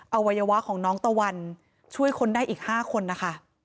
อวัยวะของน้องตะวันช่วยคนได้อีก๕คนนะคะ